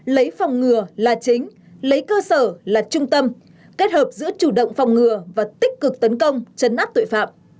lấy phòng ngừa là chính lấy cơ sở là trung tâm kết hợp giữa chủ động phòng ngừa và tích cực tấn công chấn áp tội phạm